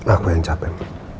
aku yang capek